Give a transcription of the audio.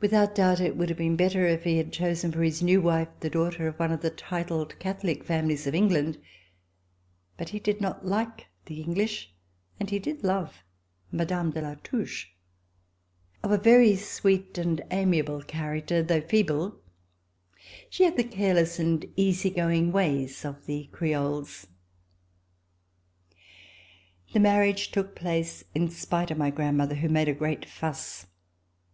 Without doubt, it would have been better if he had chosen for his new wife the daughter of one of the titled Catholic families of England, but he did not like the English, and he did love Mme. de La Touche. Of a very sweet and amiable character, although feeble, she had the careless and easy going ways of the Creoles. The marriage took place, in spite of my grand mother, who made a great fuss.